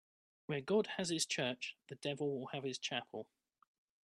Where God has his church, the devil will have his chapel